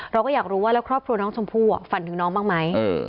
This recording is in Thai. เราก็อยากรู้ว่าแล้วครอบครัวน้องชมพู่ฝันถึงน้องบ้างไหม